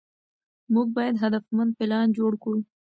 موږ باید هدفمند پلان جوړ کړو.